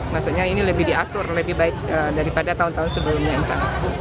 maksudnya ini lebih diatur lebih baik daripada tahun tahun sebelumnya misalnya